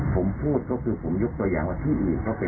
ผมพูดก็คือผมยกตัวอย่างว่าที่อื่นก็เป็นแบบนี้